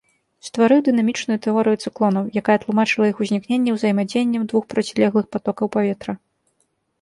Стварыў дынамічную тэорыю цыклонаў, якая тлумачыла іх ўзнікненне узаемадзеяннем двух процілеглых патокаў паветра.